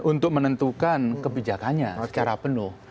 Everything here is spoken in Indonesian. untuk menentukan kebijakannya secara penuh